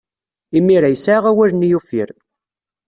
Imir-a, yesɛa awal-nni uffir.